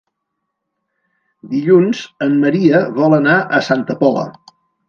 Dilluns en Maria vol anar a Santa Pola.